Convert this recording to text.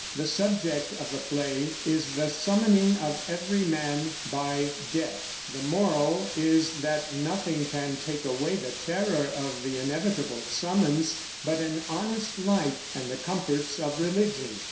The subject of the play is the summoning of every man by Death; and the moral is that nothing can take away the terror of the inevitable summons but an honest life and the comforts of religion.